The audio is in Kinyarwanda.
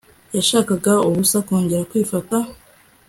yashakaga ubusa kongera kwifata! ..